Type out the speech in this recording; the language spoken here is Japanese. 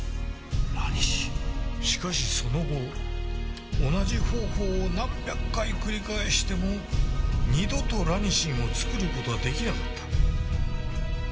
しかしその後同じ方法を何百回繰り返しても二度とラニシンを作る事は出来なかった。